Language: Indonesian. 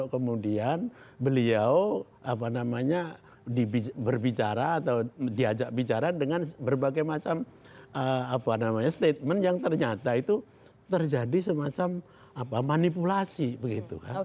kemudian beliau berbicara atau diajak bicara dengan berbagai macam statement yang ternyata itu terjadi semacam manipulasi begitu